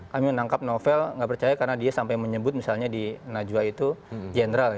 kami menangkap novel nggak percaya karena dia sampai menyebut misalnya di najwa itu general